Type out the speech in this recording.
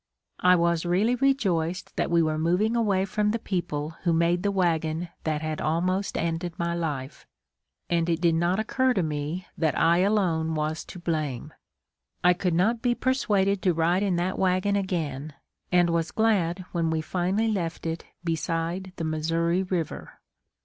I was really rejoiced that we were moving away from the people who made the wagon that had almost ended my life, and it did not occur to me that I alone was to blame. I could not be persuaded to ride in that wagon again and was glad when we finally left it beside the Missouri river.